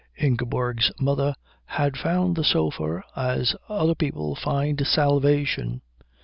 Ingeborg's mother had found the sofa as other people find salvation.